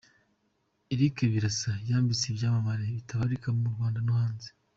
Eric Birasa yambitse ibyamamare bitabarika mu Rwanda no hanze.